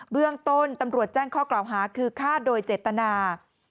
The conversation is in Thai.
เบื้องต้นตำรวจแจ้งข้อกล่าวหาคือฆ่าโดยเจตนา